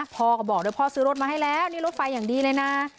พ่อก็บอกด้วยพ่อซื้อรถมาให้แล้วนี่รถไฟอย่างดีเลยนะ